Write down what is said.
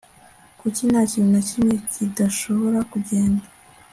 kuki nta kintu na kimwe kidashobora kugenda